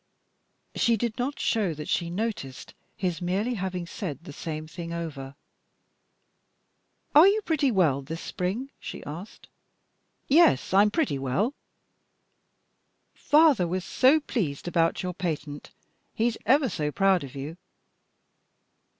She did not show that she noticed his merely having said the same thing over. "Are you pretty well this spring?" she asked. "Yes, I'm pretty well." "Father was so much pleased about your patent. He's ever so proud of you."